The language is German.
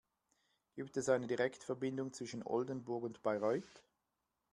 Gibt es eine Direktverbindung zwischen Oldenburg und Bayreuth?